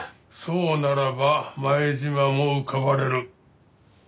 そうならば前島も浮かばれる。